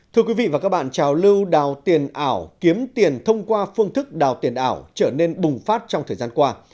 thưa quý vị và các bạn trào lưu đào tiền ảo kiếm tiền thông qua phương thức đào tiền ảo trở nên bùng phát trong thời gian qua